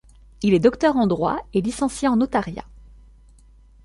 Il est docteur en droit et licencié en notariat.